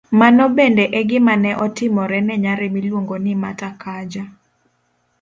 Mano bende e gima ne otimore ne nyare miluongo ni Mata Kaja,